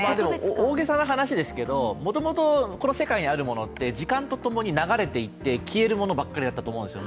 大げさな話ですけど、もともとこの世界にあるものって時間とともに流れていって消えるものばかりだったんですよ。